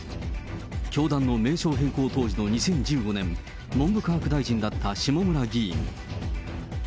教団の名称変更当時の２０１５年、文部科学大臣だった下村議員。